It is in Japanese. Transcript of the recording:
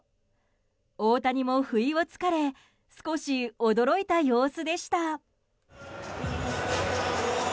大谷も不意を突かれ少し驚いた様子でした。